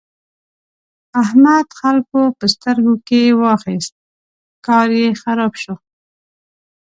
احمد خلګو په سترګو کې واخيست؛ کار يې خراب شو.